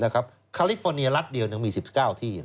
คาลิฟฟอร์เนียรัฐเดียวมี๑๙ที่